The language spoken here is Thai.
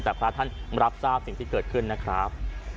แต่พระท่านรับทราบสิ่งที่เกิดขึ้นนะครับ